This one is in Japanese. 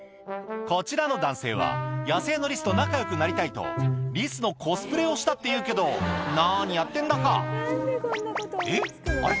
こちらの男性は野生のリスと仲良くなりたいとリスのコスプレをしたっていうけどなにやってんだかえっあれ？